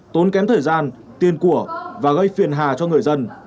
tốn kém thời gian tiền của và gây phiền hà cho người dân